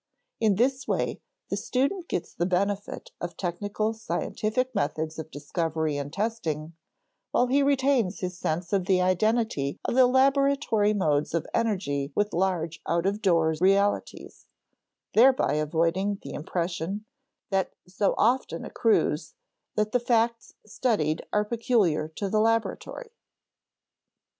In this way, the student gets the benefit of technical scientific methods of discovery and testing, while he retains his sense of the identity of the laboratory modes of energy with large out of door realities, thereby avoiding the impression (that so often accrues) that the facts studied are peculiar to the laboratory.